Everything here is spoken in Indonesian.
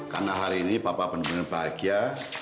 karena hari ini papa benar benar bahagia